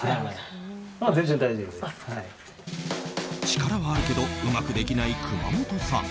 力はあるけどうまくできない熊元さん。